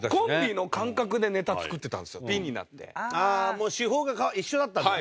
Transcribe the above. もう手法が一緒だったんだね。